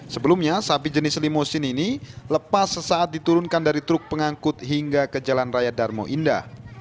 sebelumnya sapi jenis limusin ini lepas sesaat diturunkan dari truk pengangkut hingga ke jalan raya darmo indah